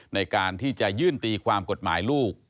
ในการที่จะยื่นตีความกฎหมายลูก